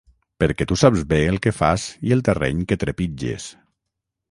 Perquè tu saps bé el que et fas i el terreny que trepitges.